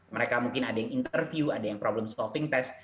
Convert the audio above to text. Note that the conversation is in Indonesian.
mereka mungkin ada yang interview ada yang problem stoving test